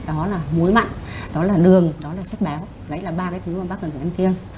đó là muối mặn đó là đường đó là chất béo đấy là ba cái thứ mà bác cần phải ăn kia